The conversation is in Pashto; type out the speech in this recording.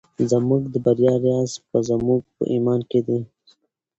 زموږ د بریا راز په زموږ په ایمان کې دی.